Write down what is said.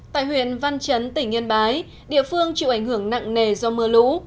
tại huyện văn chấn tỉnh yên bái địa phương chịu ảnh hưởng nặng nề do mưa lũ